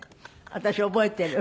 私覚えてる。